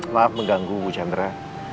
maaf mengganggu bu chandra